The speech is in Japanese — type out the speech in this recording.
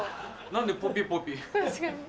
何でポピポピ。